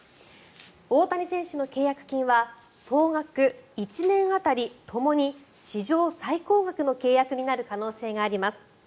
大谷選手の契約金は総額、１年当たりともに史上最高額の契約になる可能性があります。